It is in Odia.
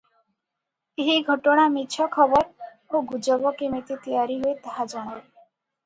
ଏହି ଘଟଣା ମିଛ ଖବର ଓ ଗୁଜବ କେମିତି ତିଆରି ହୁଏ ତାହା ଜଣାଏ ।